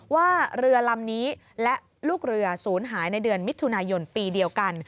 ว่าเรือลำนี้และลูกเรือศูนย์หายในเดือนมิถุนายนปีเดียวกัน